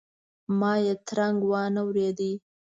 ما یې ترنګ وانه ورېد.